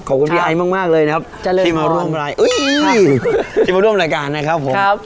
ขอบคุณพี่ไอมากเลยนะครับที่มาร่วมรายการนะครับผม